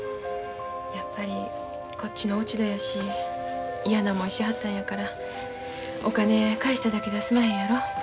やっぱりこっちの落ち度やし嫌な思いしはったんやからお金返しただけでは済まへんやろ。